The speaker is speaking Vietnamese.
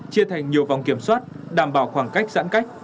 chia thành nhiều vòng kiểm soát đảm bảo khoảng cách giãn cách